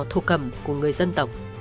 thuộc cầm của người dân tộc